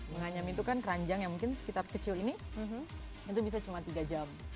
menganyam itu kan keranjang yang mungkin sekitar kecil ini itu bisa cuma tiga jam